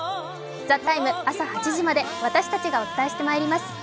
「ＴＨＥＴＩＭＥ，」、朝８時まで私たちがお伝えしてまいります。